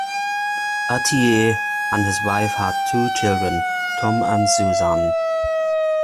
Atiyeh and his wife had two children, Tom and Suzanne.